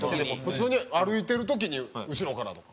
普通に歩いてる時に後ろからとか。